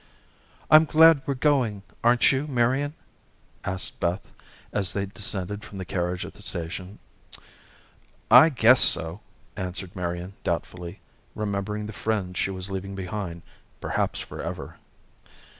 "I'm glad we're going, aren't you, Marian?" asked Beth, as they descended from the carriage at the station. "I guess so," answered Marian doubtfully, remembering the friends she was leaving behind, perhaps forever.